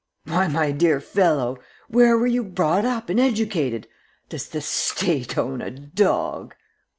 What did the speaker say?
"Why, my dear fellow, where were you brought up and educated. Does the State own a dog!"